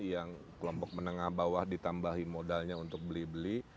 yang kelompok menengah bawah ditambahi modalnya untuk beli beli